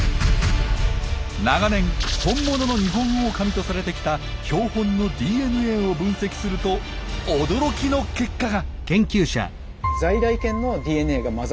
長年本物のニホンオオカミとされてきた標本のＤＮＡを分析すると驚きの結果が！